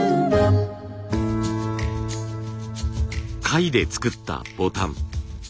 貝で作ったボタン。